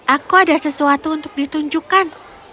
aku ada sesuatu untuk ditunjukkan